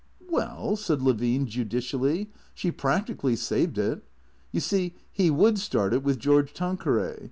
" Well," said Levine judicially, " she practically saved it. You see he would start it with George Tanqueray.